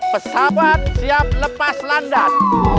pesawat siap lepas landas